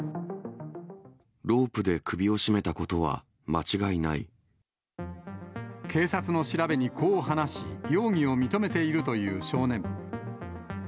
ロープで首を絞めたことは間警察の調べにこう話し、容疑を認めているという少年。